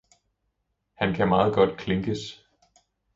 Han kan meget godt klinkes!